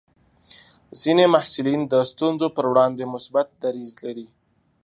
ځینې محصلین د ستونزو پر وړاندې مثبت دریځ لري.